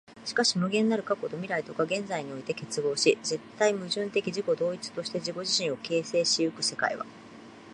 しかし無限なる過去と未来とが現在において結合し、絶対矛盾的自己同一として自己自身を形成し行く世界は、